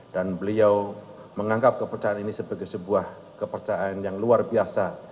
dan beliau menganggap kepercayaan ini sebagai sebuah kepercayaan yang luar biasa